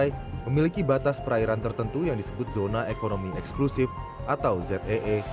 lantai memiliki batas perairan tertentu yang disebut zona economy exclusive atau zee